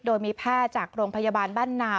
โดยมีแพทย์จากโรงพยาบาลบ้านนา